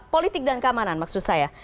politik dan keamanan maksud saya